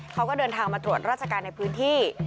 เขาก็เดินทางมาตรวจราชการในพื้นที่